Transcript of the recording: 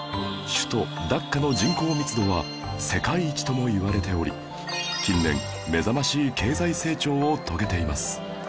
首都ダッカの人口密度は世界一ともいわれており近年目覚ましい経済成長を遂げています